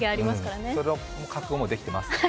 その覚悟もできてます。